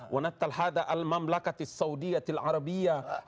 wa natal hadha'al mamlakatis saudi atil arabiyah